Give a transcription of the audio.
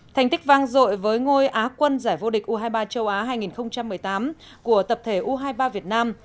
thành tích vang rội với ngôi á quân giải vô địch u hai mươi ba châu á hai nghìn một mươi tám của tập thể u hai mươi ba việt nam